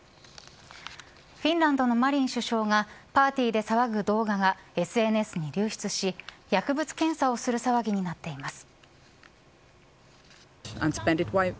フィンランドのマリン首相がパーティーで騒ぐ動画がＳＮＳに流失し薬物検査をする騒ぎになっています。